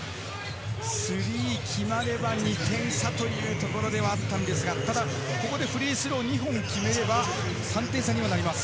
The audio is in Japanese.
スリーが決まれば２点差というところではあったんですが、ただここでフリースローを２本決めれば３点差にはなります。